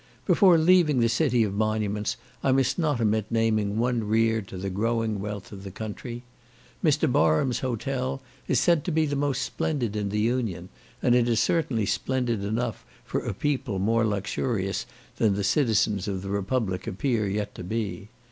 Before leaving the city of monuments, I must not omit naming one reared to the growing wealth of the country; Mr. Barham's hotel is said to be the most splendid in the Union, and it is certainly splendid enough for a people more luxurious than the citizens of the republic appear yet to be.